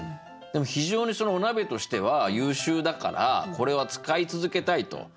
でも非常にお鍋としては優秀だからこれは使い続けたいと。